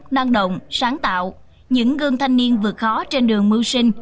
năng động sáng tạo những gương thanh niên vượt khó trên đường mưu sinh